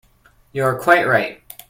You are quite right.